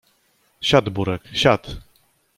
Siad Burek, siad!